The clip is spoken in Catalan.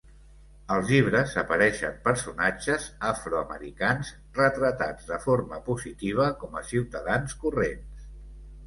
Als llibres apareixen personatges afroamericans, retratats de forma positiva com a ciutadans corrents.